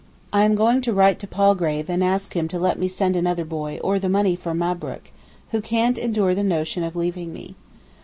I am going to write to Palgrave and ask him to let me send another boy or the money for Mabrook, who can't endure the notion of leaving me.